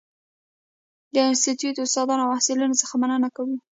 د انسټیټوت استادانو او محصلینو څخه مننه کوو.